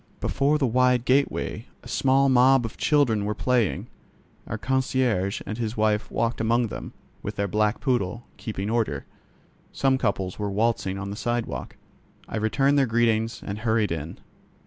Before the wide gateway a small mob of children were playing. Our concierge and his wife walked among them, with their black poodle, keeping order; some couples were waltzing on the sidewalk. I returned their greetings and hurried in.